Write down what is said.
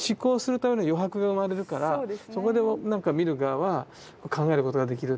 そこでなんか見る側は考えることができるって。